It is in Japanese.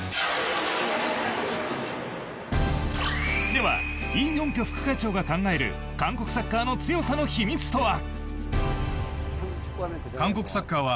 ではイ・ヨンピョ副会長が考える韓国サッカーの強さの秘密とは。